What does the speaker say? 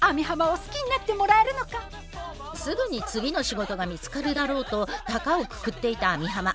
すぐに次の仕事が見つかるだろうとたかをくくっていた網浜。